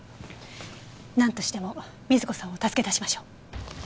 なんとしても瑞子さんを助け出しましょう。